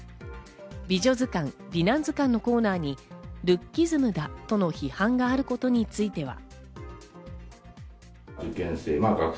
美女図鑑・美男図鑑のコーナーにルッキズムだとの批判があることについては。